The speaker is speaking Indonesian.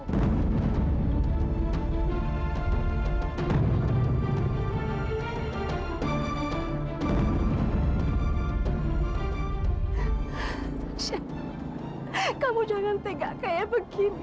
tasha kamu jangan tinggal kayak begini